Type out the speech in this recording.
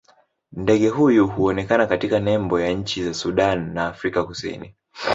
Ndege huyu huonekana katika nembo ya nchi za Sudan na Afrika Kusini.